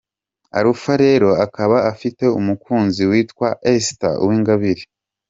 Alpha rero akaba afite umukunzi witwa Esther Uwingabire.